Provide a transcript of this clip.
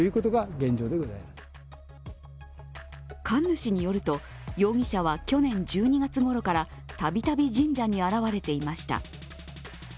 神主によると、容疑者は去年１２月ごろからたびたび神社に現れていました。